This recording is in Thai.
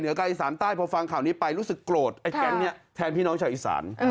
กับอีสานใต้พอฟังข่าวนี้ไปรู้สึกโกรธไอ้แก๊งนี้แทนพี่น้องชาวอีสาน